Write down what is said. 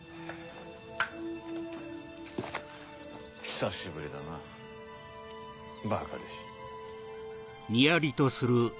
久しぶりだなバカ弟子。